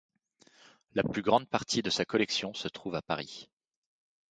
La plus grande partie de sa collection se trouve à Paris.